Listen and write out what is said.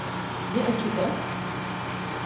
Ne açıdan?